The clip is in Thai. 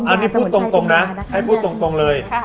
อันนี้พูดตรงนะให้พูดตรงเลย